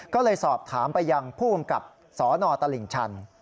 ก็เลยสอบถามไปยังผู้กำกับสนตลิ่งชัน